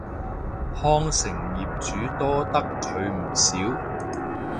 康城業主多得佢唔少